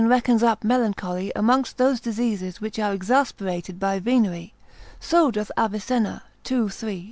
26, reckons up melancholy amongst those diseases which are exasperated by venery: so doth Avicenna, 2, 3, c.